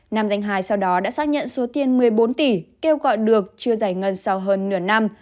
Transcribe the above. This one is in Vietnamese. nam danh hai sau đó đã xác nhận số tiền một mươi bốn tỷ kêu gọi được chưa giải ngân sau hơn nửa năm